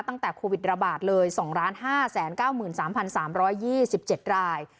ตั้งแต่โควิดระบาดเลยสองร้านห้าแสนเก้าหมื่นสามพันสามร้อยยี่สิบเจ็ดราย